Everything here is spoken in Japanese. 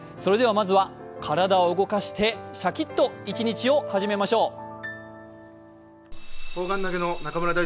まずは体を動かしてシャキッと一日を始めましょう。